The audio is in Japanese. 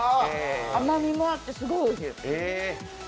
甘みもあって、すごいおいしい。